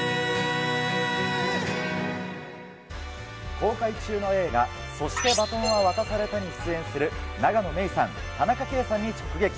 公開中の映画、そして、バトンは渡されたに出演する永野芽郁さん、田中圭さんに直撃。